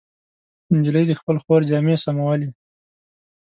نجلۍ د خپلې خور جامې سمولې.